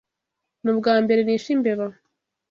Nubwambere nishe imbeba.